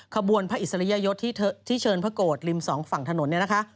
ขบวนพระอิสริยยศที่เชิญพระโกรธริม๒ฝั่งถนน